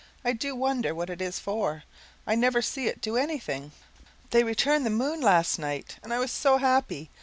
I do wonder what it is for; I never see it do anything. They returned the moon last night, and I was SO happy!